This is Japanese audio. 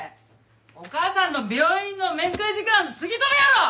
お義母さんの病院の面会時間過ぎとるやろ！